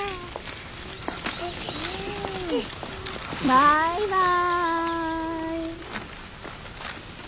バイバイ。